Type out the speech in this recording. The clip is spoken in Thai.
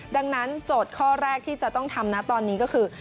ดังนั้นโจทย์ข้อแรกที่จะต้องทำนะตอนนี้ก็คือ